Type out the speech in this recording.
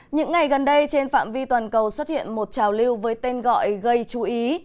những ngày gần đây trên phạm vi toàn cầu xuất hiện một trào lưu với tên gọi gây chú ý